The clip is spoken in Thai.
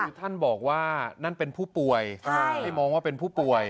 คือท่านบอกว่านั่นเป็นผู้ป่วยให้มองว่าเป็นผู้ป่วย